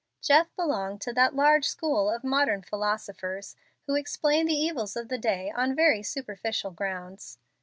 Jeff belonged to that large school of modern philosophers who explain the evils of the day on very superficial grounds.